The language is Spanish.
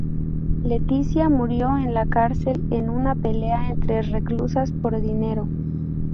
Leticia murió en la cárcel en una pelea entre reclusas por dinero.